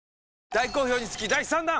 大好評につき第３弾！